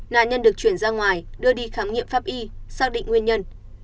nạn nhân được chuyển ra ngoài đưa đi khám nghiệm pháp y xác định nguyên nhân